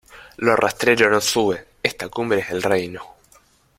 Lo rastrero no sube: esta cumbre es el reino.